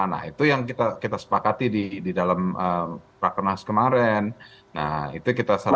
nah itu yang kita sepakati di dalam rakernas kemarin nah itu kita selesaikan